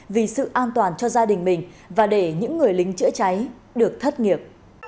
vì sự an toàn cho gia đình mình và để những người lính chữa cháy được thất nghiệp